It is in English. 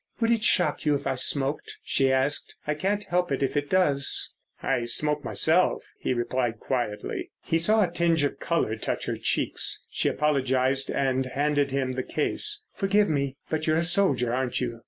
"Would it shock you if I smoked?" she asked. "I can't help it if it does." "I smoke myself," he replied quietly. He saw a tinge of colour touch her cheeks. She apologised, and handed him the case. "Forgive me; but you're a soldier, aren't you?"